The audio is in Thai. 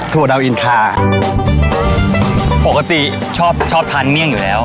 ถั่วดาวอินคาปกติชอบชอบทานเมี่ยงอยู่แล้ว